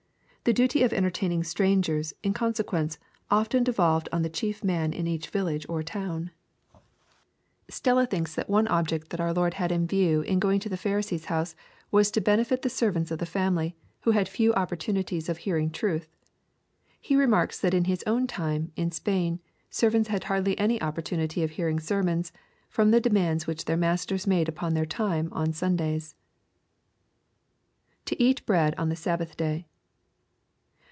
The duty of entertaining strangers, in conseq lence, often devolved on the chief man in each village oi town. LUKE, CHAP. XIV. 151 Stella thinks that one object that our Lord had in view in going to the Pharisee*s house, was to benefit the servants of the family, who had few opportunities of hearing truth. He remarks that in his own time, in Spain, servants had hardly any opportunity of hearing sermons, from the demands which their masters made upon their time on Sundays. [To eat bread on the Sdbhath day.